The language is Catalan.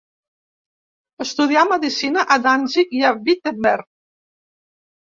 Estudià medicina a Danzig i a Wittenberg.